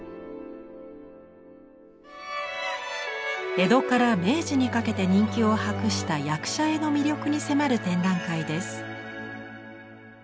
江戸から明治にかけて人気を博した役者絵の魅力に迫る展覧会です。